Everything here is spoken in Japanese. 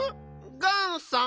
ガンさん？